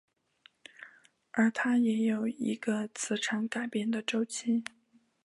而它也有一个磁场改变的周期。